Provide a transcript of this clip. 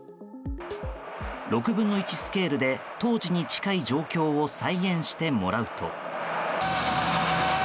６分の１スケールで当時に近い状況を再現してもらうと。